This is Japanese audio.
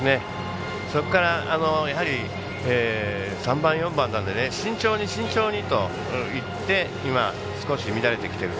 そこから、やはり３番、４番なんでね慎重に慎重にといって今、少し乱れてきてると。